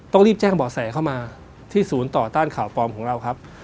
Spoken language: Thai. ต้องรีบแจ้งบ่อแสเข้ามาที่ศูนย์ต่อต้านข่าวปลอมของเราครับ